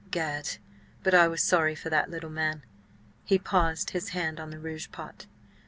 Gad! but I was sorry for that little man!" He paused, his hand on the rouge pot.